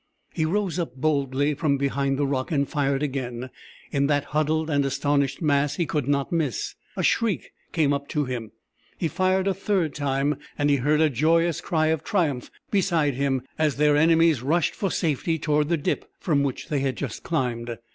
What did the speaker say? He rose up boldly from behind the rock and fired again. In that huddled and astonished mass he could not miss. A shriek came up to him. He fired a third time, and he heard a joyous cry of triumph beside him as their enemies rushed for safety toward the dip from which they had just climbed.